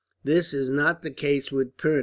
This is not the case with Pirna.